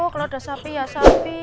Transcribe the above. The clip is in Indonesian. kalau ada sapi ya sapi